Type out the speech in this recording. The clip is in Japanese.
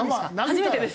初めてです。